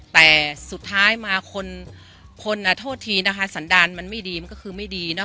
แต่สุดท้ายมาคนอ่ะโทษทีนะคะสันดารมันไม่ดีมันก็คือไม่ดีเนาะ